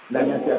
dan yang terakhir